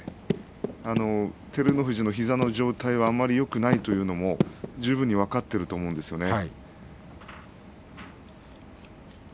照ノ富士の膝の状態があまりよくないということは十分に分かっていると思うんですね。